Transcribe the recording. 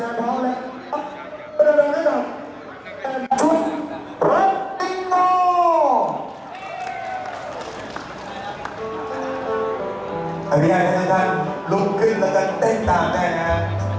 อัพยายามให้ทุกท่านลุกขึ้นแล้วก็เต้นตาแม่นะครับ